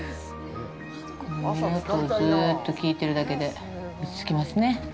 海の音を、ずうっと聞いてるだけで落ちつきますね。